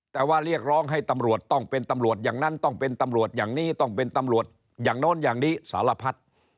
แต่ว่าเรียกร้องให้ตำรวจต้องเป็นตำรวจอย่างนั้นต้องเป็นตำรวจอย่างนี้ต้องเป็นตำรวจอย่างโน้นอย่างนี้สารพัด